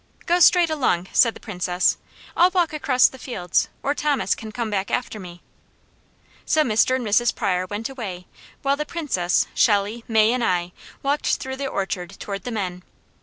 "Go straight along," said the Princess. "I'll walk across the fields, or Thomas can come back after me." So Mr. and Mrs. Pryor went away, while the Princess, Shelley, May, and I walked through the orchard toward the men.